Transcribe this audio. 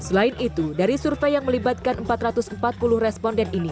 selain itu dari survei yang melibatkan empat ratus empat puluh responden ini